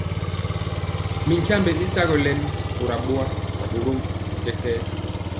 Mi tyiambe y sagɔ lɛmi kora boa, borom bi kɛkɛɛ.